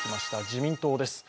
自民党です。